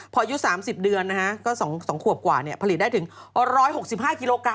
พออายุ๓๐เดือนนะฮะก็๒ขวบกว่าผลิตได้ถึง๑๖๕กิโลกรั